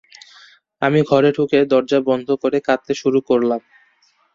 আমি ঘরে ঢুকে দরজা বন্ধ করে কাঁদতে শুরু করলাম।